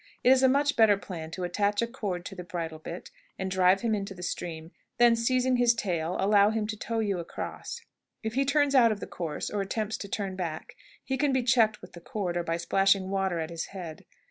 It is a much better plan to attach a cord to the bridle bit, and drive him into the stream; then, seizing his tail, allow him to tow you across. If he turns out of the course, or attempts to turn back, he can be checked with the cord, or by splashing water at his head.